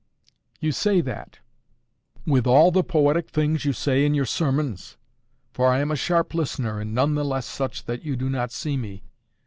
"You say that! with all the poetic things you say in your sermons! For I am a sharp listener, and none the less such that you do not see me.